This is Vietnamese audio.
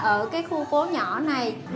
ở cái khu phố nhỏ này là